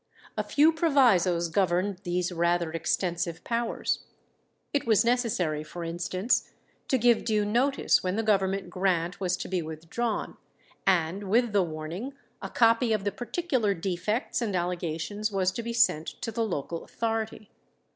A few provisos governed these rather extensive powers. It was necessary, for instance, to give due notice when the government grant was to be withdrawn, and with the warning a copy of the particular defects and allegations was to be sent to the local authority.